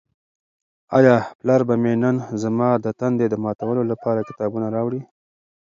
آیا پلار به مې نن زما د تندې د ماتولو لپاره کتابونه راوړي؟